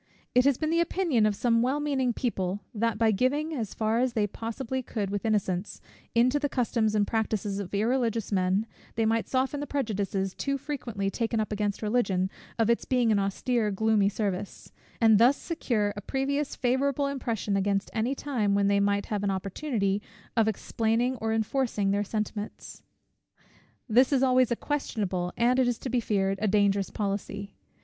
It has been the opinion of some well meaning people, that by giving, as far as they possibly could with innocence, into the customs and practices of irreligious men, they might soften the prejudices too frequently taken up against Religion, of its being an austere gloomy service; and thus secure a previous favourable impression against any time, when they might have an opportunity of explaining or enforcing their sentiments. This is always a questionable, and, it is to be feared, a dangerous policy.